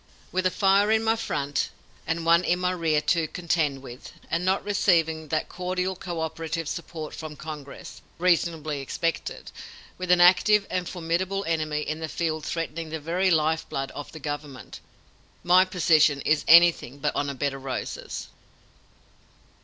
With a fire in my front and one in my rear to contend with, and not receiving that cordial cooperative support from Congress, reasonably expected, with an active and formidable enemy in the field threatening the very life blood of the government, my position is anything but on a bed of roses."